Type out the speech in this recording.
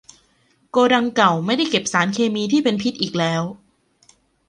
โกดังเก่าไม่ได้เก็บสารเคมีที่เป็นพิษอีกแล้ว